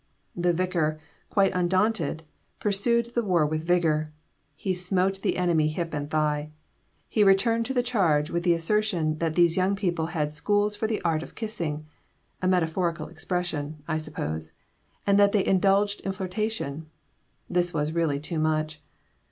The vicar, quite undaunted, pursued the war with vigour; he smote the enemy hip and thigh. He returned to the charge with the assertion that these young people had 'schools for the art of kissing,' a metaphorical expression, I suppose; and that they indulged in flirtation. This was really too much.